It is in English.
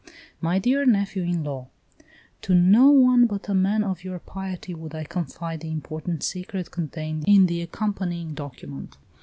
"MY DEAR NEPHEW IN LAW, To no one but a man of your piety would I confide the important secret contained in the accompanying document.